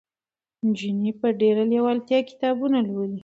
نجونې په ډېره لېوالتیا کتابونه لولي.